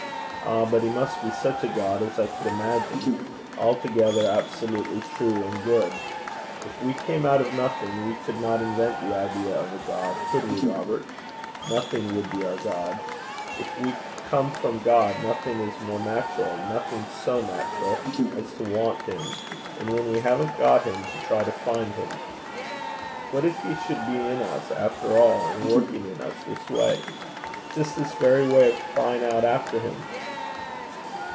Ah! but he must be such a God as I could imagine altogether, absolutely true and good. If we came out of nothing, we could not invent the idea of a God could we, Robert? Nothing would be our God. If we come from God, nothing is more natural, nothing so natural, as to want him, and when we haven't got him, to try to find him. What if he should be in us after all, and working in us this way? just this very way of crying out after him?'